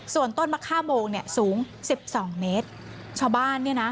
ส่วนต้นมะค่าโมงเนี่ยสูงสิบสองเมตรชาวบ้านเนี่ยนะ